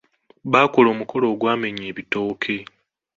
Baakola omukolo agwamenya ebitooke.